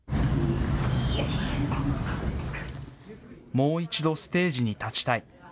もう一度ステージに立ちたい。